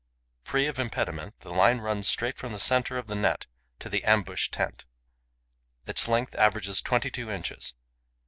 Free of impediment, the line runs straight from the centre of the net to the ambush tent. Its length averages twenty two inches.